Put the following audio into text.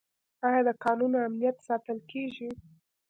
آیا د کانونو امنیت ساتل کیږي؟